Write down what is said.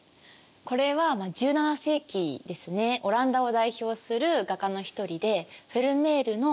これは１７世紀ですねオランダを代表する画家の一人でフェルメールの「水差しを持つ女」です。